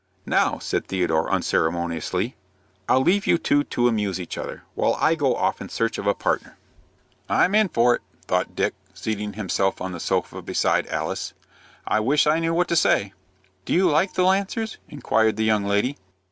"Now," said Theodore, unceremoniously, "I'll leave you two to amuse each other, while I go off in search of a partner." "I'm in for it," thought Dick, seating himself on the sofa beside Alice. "I wish I knew what to say." "Do you like the Lancers?" inquired the young lady.